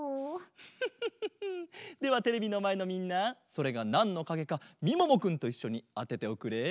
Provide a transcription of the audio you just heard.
フフフフフではテレビのまえのみんなそれがなんのかげかみももくんといっしょにあてておくれ。